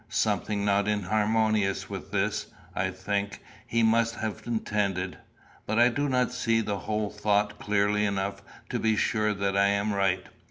Something not inharmonious with this, I think, he must have intended; but I do not see the whole thought clearly enough to be sure that I am right.